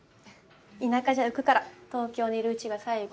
田舎じゃ浮くから東京にいるうちが最後。